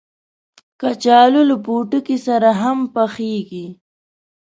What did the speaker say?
کچالو له پوټکي سره هم پخېږي